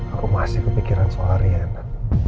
aku masih kepikiran soal harian